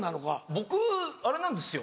僕あれなんですよ